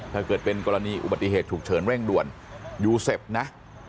ถ้าเกิดเป็นกรณีอุบัติเหตุฉุกเฉินเร่งด่วนยูเซฟนะ